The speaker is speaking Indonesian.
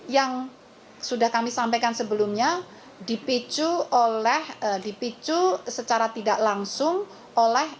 yang sudah kami sampaikan sebelumnya dipicu oleh dipicu secara tidak langsung oleh